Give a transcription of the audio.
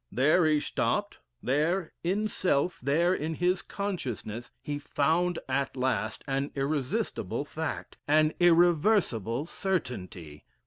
There he stopped: there in self, there in his consciousness, he found at last an irresistible fact, an irreversible certainty.